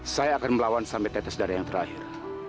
saya akan melawan sampai tetes darah yang terakhir